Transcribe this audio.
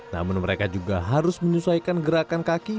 namun mereka juga harus menyesuaikan gerakan kaki